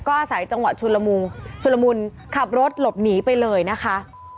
ก็อาศัยจังหวะชุนละมุงชุลมุนขับรถหลบหนีไปเลยนะคะ